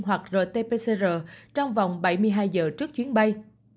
hoặc rt pcr trong vòng bảy mươi hai giờ trước chuyến bay